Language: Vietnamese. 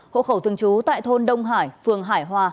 hộ khẩu thường trú tại thôn đông hải phường hải hòa